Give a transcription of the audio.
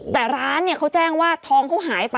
แต่ร้านเนี่ยเขาแจ้งว่าทองเขาหายไป